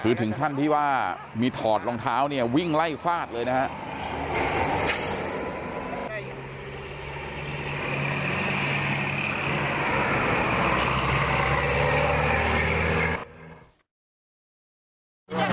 คือถึงขั้นที่ว่ามีถอดรองเท้าเนี่ยวิ่งไล่ฟาดเลยนะครับ